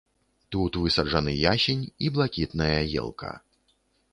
Тут высаджаны ясень і блакітная елка.